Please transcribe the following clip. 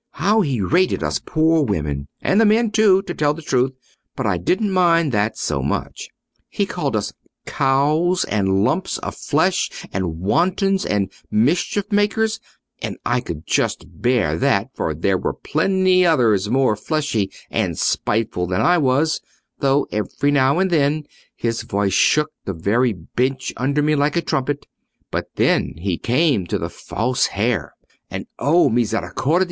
How he rated us poor women! and the men, too, to tell the truth, but I didn't mind that so much. He called us cows, and lumps of flesh, and wantons, and mischief makers—and I could just bear that, for there were plenty others more fleshy and spiteful than I was, though every now and then his voice shook the very bench under me like a trumpet; but then he came to the false hair, and, O misericordia!